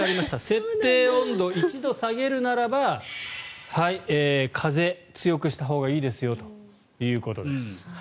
設定温度１度下げるならば風、強くしたほうがいいですよということです。